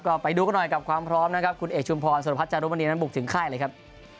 ก็ไปดูกันหน่อยกับความพร้อมนะครับคุณเอกชุมพรสุรพัฒนจารุมณีนั้นบุกถึงค่ายเลยครับ